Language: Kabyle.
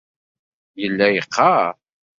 Yella yeqqar.